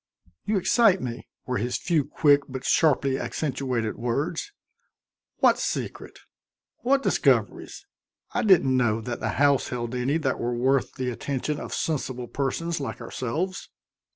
"You excite me," were his few quick but sharply accentuated words. "What secret? What discoveries? I didn't know that the house held any that were worth the attention of sensible persons like ourselves."